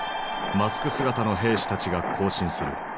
マスク姿の兵士たちが行進する。